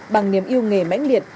bằng niềm yêu nghề mạnh liệt